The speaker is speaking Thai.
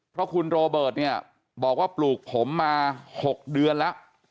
เพราะคุณโรเบิร์ตเนี่ยบอกว่าปลูกผมมา๖เดือนแล้ว